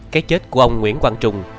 cái chết của ông nguyễn quang trùng